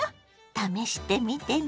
試してみてね。